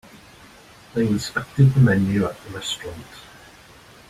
They inspected the menu at the restaurant.